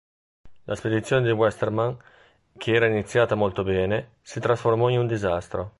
La spedizione di Westermann che era iniziata molto bene si trasformò in un disastro.